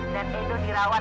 dan edo dirawat di rumah sakit